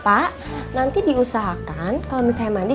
pak nanti diusahakan kalau misalnya mandi